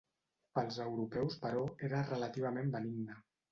Pels europeus però, era relativament benigna.